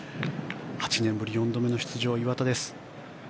８年ぶり４度目の出場岩田です。